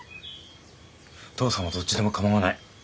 父さんはどっちでも構わない。